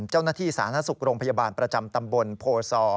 เจ้าหน้าที่สาธารณสุขโรงพยาบาลประจำตำบลโภษอ